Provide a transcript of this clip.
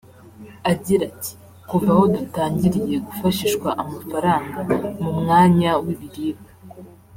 Agira ati “Kuva aho dutangiriye gufashishwa amafaranga mu mwanya w’ibiribwa